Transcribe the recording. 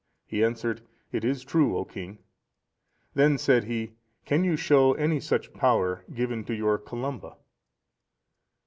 He answered, "It is true, O king!" Then said he, "Can you show any such power given to your Columba?"